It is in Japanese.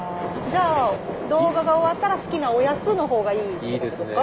じゃあ動画が終わったら好きなおやつの方がいいってことですか？